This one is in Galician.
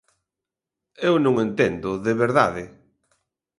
Eu non entendo, de verdade.